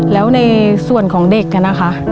แล้วในส่วนของเด็กนะคะ